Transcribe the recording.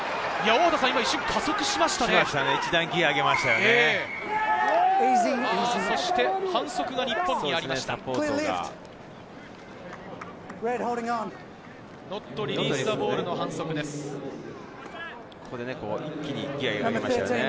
今、一瞬加速しましたね。